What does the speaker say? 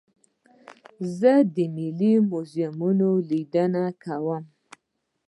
زه د ملي موزیمونو لیدنه کوم.